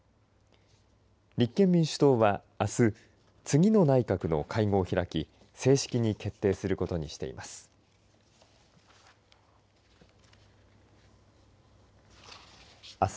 立憲民主党は、あす次の内閣の会合を開き正式に決定することにしています。